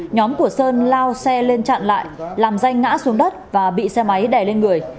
nhóm của sơn lao xe lên chặn lại làm danh ngã xuống đất và bị xe máy đè lên người